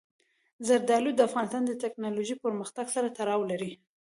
زردالو د افغانستان د تکنالوژۍ پرمختګ سره تړاو لري.